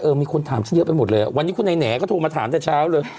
เออมีคนถามชิ้นเยอะไปหมดเลยเขาโทรมาถามจากเช้าเลย